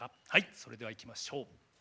それではいきましょう。